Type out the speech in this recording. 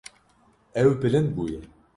Ew bilind bûye.